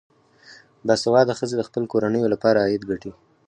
باسواده ښځې د خپلو کورنیو لپاره عاید ګټي.